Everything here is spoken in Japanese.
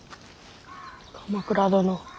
鎌倉殿。